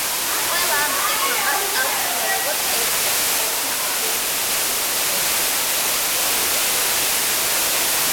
ყველა ამ წიგნმა მას წარუდგინა როგორც ერთ-ერთი ყველაზე ნაყოფიერი თანამედროვე მწერალი პოლიტიკური დეტექტივის ჟანრში.